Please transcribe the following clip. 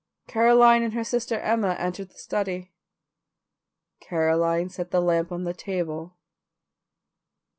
Caroline and her sister Emma entered the study. Caroline set the lamp on the table.